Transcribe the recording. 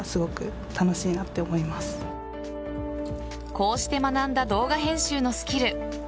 こうして学んだ動画編集のスキル。